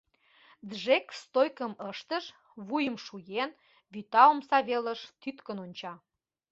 Джек «стойкым» ыштыш, вуйым шуен, вӱта омса велыш тӱткын онча.